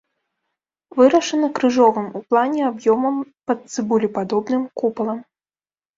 Вырашана крыжовым у плане аб'ёмам пад цыбулепадобным купалам.